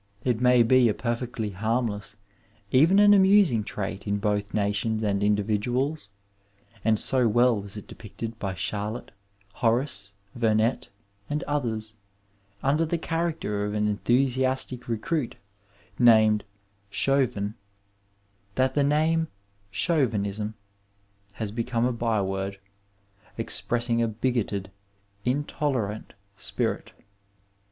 It may be a perfectly harm less, even an amusing trait in both nations and indi viduak, and so well was it depicted by Charlet, Horace Vemet, and others, under the character of an enthusiastic recmit named Chauvin, that the name Chauvinism has become a by woid, expressing a bigoted, intolerant spirit.